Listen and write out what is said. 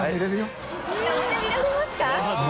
生で見られますか？